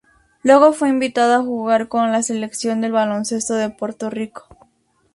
Luego fue invitado a jugar con la Selección de baloncesto de Puerto Rico.